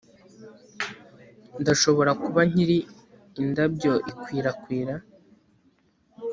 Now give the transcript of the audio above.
Ndashobora kuba nkiri indabyo ikwirakwira